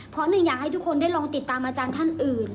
เพราะหนึ่งอยากให้ทุกคนได้ลองติดตามอาจารย์ท่านอื่น